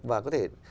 và có thể